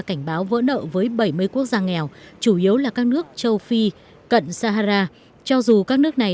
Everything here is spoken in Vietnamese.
cảnh báo vỡ nợ với bảy mươi quốc gia nghèo chủ yếu là các nước châu phi cận sahara cho dù các nước này